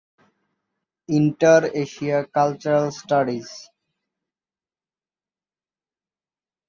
Inter-Asia cultural studies.